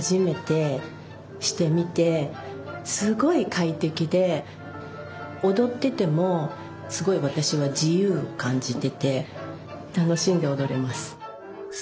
本当に踊っててもすごい私は自由を感じてて楽しんで踊れます。